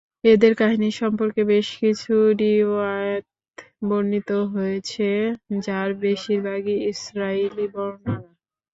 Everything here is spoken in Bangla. এদের কাহিনী সম্পর্কে বেশ কিছু রিওয়ায়েত বর্ণিত হয়েছে, যার বেশির ভাগই ইসরাঈলী বর্ণনা।